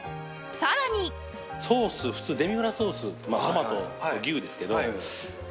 さらに普通デミグラスソースってトマトと牛ですけど。